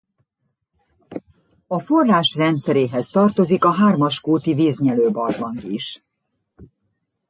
A forrás rendszeréhez tartozik a Hármaskúti-víznyelőbarlang is.